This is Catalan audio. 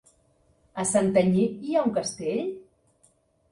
A Santanyí hi ha un castell?